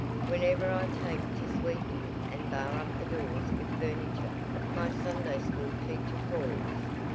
Whenever I take to sweeping and bar up the doors with furniture my Sunday school teacher calls."